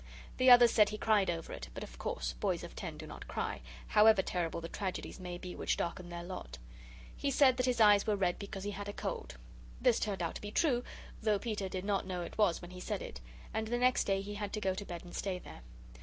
The others said he cried over it but of course boys of ten do not cry, however terrible the tragedies may be which darken their lot. He said that his eyes were red because he had a cold. This turned out to be true, though Peter did not know it was when he said it, the next day he had to go to bed and stay there.